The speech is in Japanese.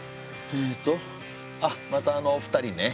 えとあっまたあのお二人ね。